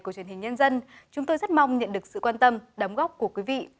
của truyền hình nhân dân chúng tôi rất mong nhận được sự quan tâm đóng góp của quý vị